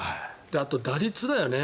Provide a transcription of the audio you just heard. あとは打率だよね。